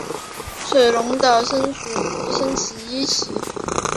水龙的升级棋。